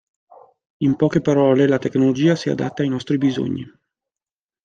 In poche parole, la tecnologia si adatta ai nostri bisogni.